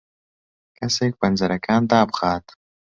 کەسێک پەنجەرەکان دابخات.